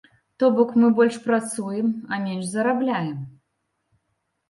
То бок, мы больш працуем, а менш зарабляем.